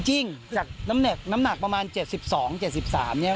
จริงจากน้ำหนักประมาณ๗๒๗๓เนี่ย